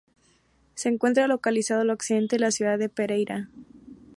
Se encuentra localizado al occidente de la ciudad de Pereira.